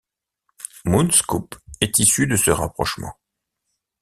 MoonScoop est issu de ce rapprochement.